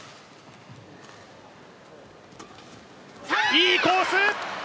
いいコース！